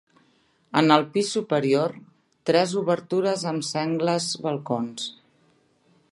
En el pis superior, tres obertures amb sengles balcons.